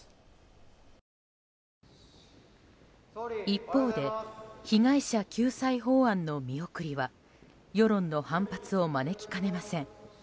一方で被害者救済法案の見送りは世論の反発を招きかねません。